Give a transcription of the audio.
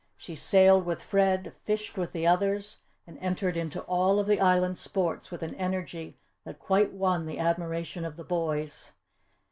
She sailed with Fred, fished with the others, and entered into all of the Island sports with an energy that quite won the admiration of the boys.